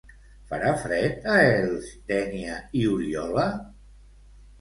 Farà fred a Elx, Dénia i Oriola?